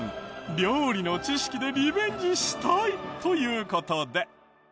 料理の知識でリベンジしたいという事で。